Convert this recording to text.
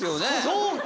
そうか。